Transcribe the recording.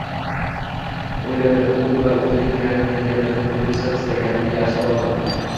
— o‘yladi u va o‘zining hayratlanganidan kulgisi qistaganini yashira olmadi.